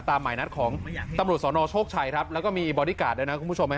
ตามใหม่นักของตำรวจสอนชกชัยแล้วก็มีบอดิการ์ดด้วยนะคุณผู้ชม